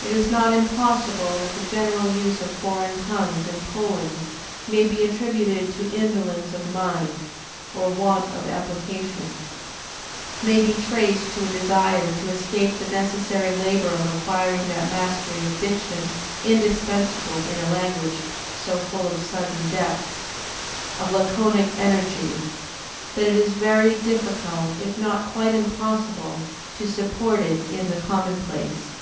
It is not impossible that the general use of foreign tongues in Poland may be attributed to indolence of mind or want of application; may be traced to a desire to escape the necessary labor of acquiring that mastery of diction indispensable in a language so full of sudden depths, of laconic energy, that it is very difficult, if not quite impossible, to support in it the commonplace.